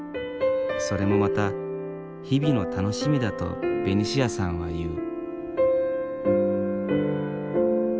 それもまた日々の楽しみだとベニシアさんは言う。